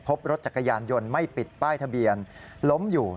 พบรถจักรยานยนต์ไม่ปิดป้ายทะเบียนล้มอยู่